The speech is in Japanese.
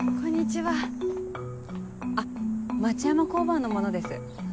あっ町山交番の者です。